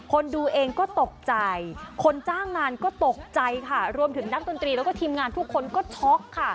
คนดูเองก็ตกใจคนจ้างงานก็ตกใจค่ะรวมถึงนักดนตรีแล้วก็ทีมงานทุกคนก็ช็อกค่ะ